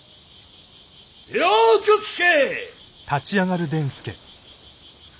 よく聞け！